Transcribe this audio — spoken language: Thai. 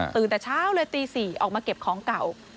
แต่เช้าเลยตี๔ออกมาเก็บของเก่า